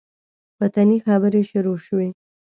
وطني خبرې شروع شوې.